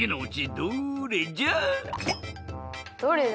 どれだ？